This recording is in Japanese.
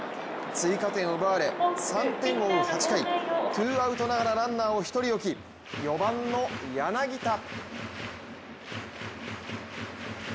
追加点を奪われ、３点を追う８回ツーアウトながら、ランナーを１人置き、４番の柳田。